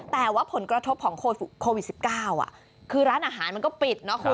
แต่ว่าผลกระทบของโควิด๑๙คือร้านอาหารมันก็ปิดเนาะคุณ